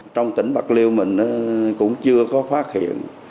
trong tỉnh bạc liêu mình cũng chưa có phát hiện